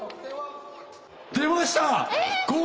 出ました！